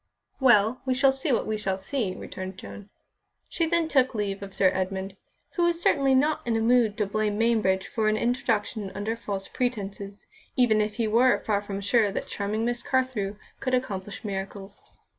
"Well, we shall see what we shall see," returned Joan. She then took leave of Sir Edmund, who was certainly not in a mood to blame Mainbridge for an introduction under false pretences, even if he were far from sure that charming Miss Carthew could accomplish miracles.